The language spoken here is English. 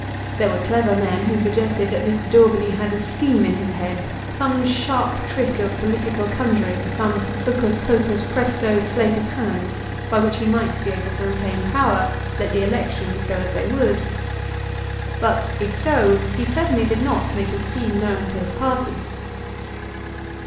There were clever men who suggested that Mr. Daubeny had a scheme in his head some sharp trick of political conjuring, some "hocus pocus presto" sleight of hand, by which he might be able to retain power, let the elections go as they would. But, if so, he certainly did not make his scheme known to his own party.